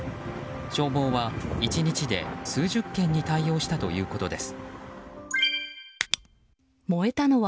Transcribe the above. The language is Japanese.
消防は１日で数十件に対応したということです。